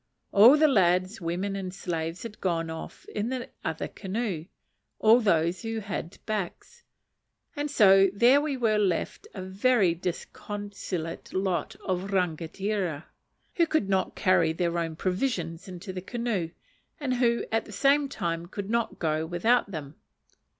All the lads, women, and slaves had gone off in the other canoe, all those who had backs, and so there we were left, a very disconsolate lot of rangatira, who could not carry their own provisions into the canoe, and who at the same time could not go without them.